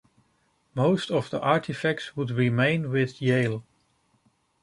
Most of the artifacts would remain with Yale.